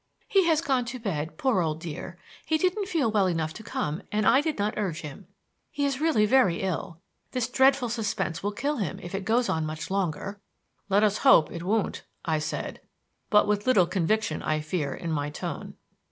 "He has gone to bed, poor old dear. He didn't feel well enough to come, and I did not urge him. He is really very ill. This dreadful suspense will kill him if it goes on much longer." "Let us hope it won't," I said, but with little conviction, I fear, in my tone.